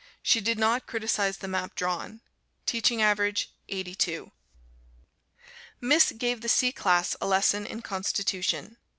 She did not criticise the map drawn. Teaching average, 82. Miss gave the C class a lesson in Constitution.